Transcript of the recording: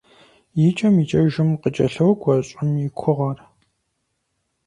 ИкӀэм-икӀэжым къыкӀэлъокӀуэ щӀым и кугъуэр.